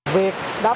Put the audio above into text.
việc đáp ứng